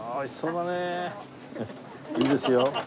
いいですよ。